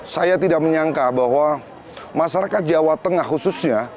saya tidak menyangka bahwa masyarakat jawa tengah khususnya